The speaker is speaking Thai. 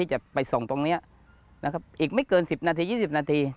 จะไปส่งตรงนี้นะครับอีกไม่เกิน๑๐นาที๒๐นาที